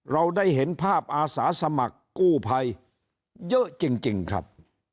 เราได้เห็นภาพอาสาสมัครกู้ภัยเยอะจริงครับ